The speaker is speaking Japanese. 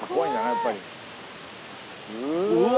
やっぱりうわ！